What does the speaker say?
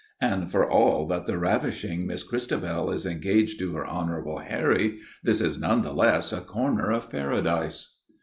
And for all that the ravishing Miss Christabel is engaged to her honourable Harry, this is none the less a corner of Paradise."